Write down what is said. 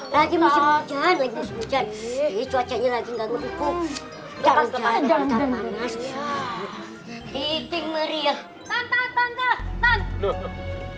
lagi musim hujan cuacanya lagi ganggu ku jalan jalan jalan jalan